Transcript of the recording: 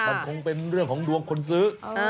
มันคงเป็นเรื่องของดวงคนซื้อ